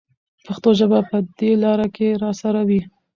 پښتو ژبه به په دې لاره کې راسره وي.